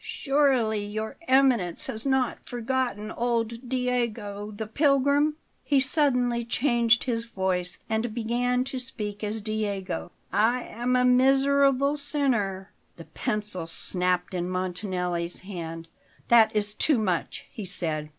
"Surely Your Eminence has not forgotten old Diego, the pilgrim?" He suddenly changed his voice and began to speak as Diego: "I am a miserable sinner " The pencil snapped in Montanelli's hand. "That is too much!" he said.